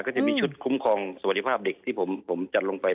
ก็จะมีชุดคุ้มครองสวัสดิภาพเด็กที่ผมจัดลงไป